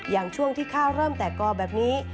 อย่างช่วงที่ข้าวเริ่มแตกกอแบบนี้